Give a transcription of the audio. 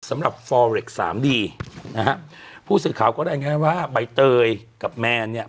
สำหรับฟอเรคสามดีนะฮะผู้สื่อข่าวก็รายงานว่าใบเตยกับแมนเนี่ย